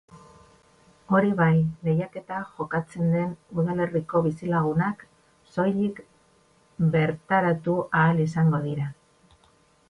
Hori bai, lehiaketa jokatzen den udalerriko bizilagunak soilik bertaratu ahal izango dira.